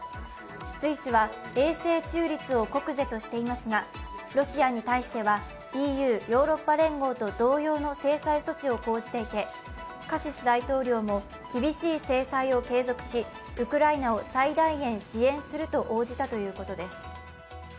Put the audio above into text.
スイスは永世中立を国是としていますが、ロシアに対してはＥＵ＝ヨーロッパ連合と同様の制裁措置を講じていてカシス大統領も厳しい制裁を継続し、ウクライナを最大限支援すると応じたということです。